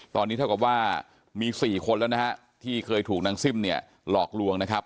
ตอนนี้เท่ากับว่ามี๔คนแล้วนะฮะที่เคยถูกนางซิ่มเนี่ยหลอกลวงนะครับ